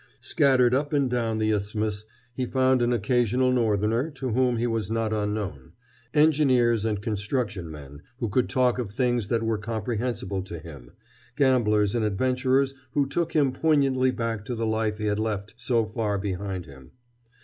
Scattered up and down the Isthmus he found an occasional Northerner to whom he was not unknown, engineers and construction men who could talk of things that were comprehensible to him, gamblers and adventurers who took him poignantly back to the life he had left so far behind him.